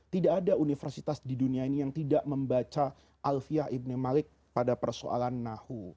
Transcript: tidak ada universitas di dunia ini yang tidak membaca alfiah ibn malik pada persoalan nahu